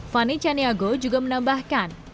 fanny chaniago juga menambahkan